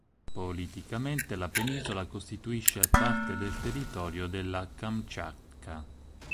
Politicamente, la penisola costituisce parte del territorio della Kamčatka.